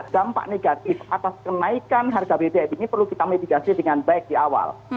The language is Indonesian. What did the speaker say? dampak negatif atas kenaikan harga bbm ini perlu kita mitigasi dengan baik di awal